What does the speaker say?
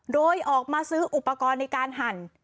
โดยออกมาซื้ออุปกรณ์ในการหั่น